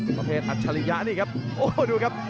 ประเภทอัจฉริยะนี่ครับโอ้ดูครับ